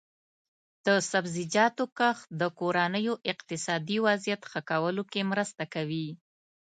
د سبزیجاتو کښت د کورنیو اقتصادي وضعیت ښه کولو کې مرسته کوي.